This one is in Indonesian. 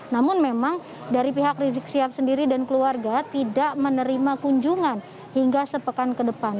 namun memang dari pihak rizik sihab sendiri dan keluarga tidak menerima kunjungan hingga sepekan ke depan